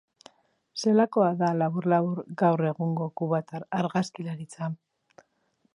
Zelakoa da, labur-labur, gaur egungo kubatar argazkilaritza?